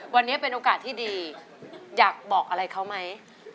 วันนี้เป็นโอกาสที่ดีอยากบอกอะไรเขาไหม